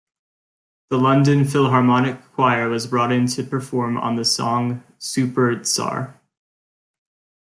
The London Philharmonic Choir was brought in to perform on the song "Supertzar".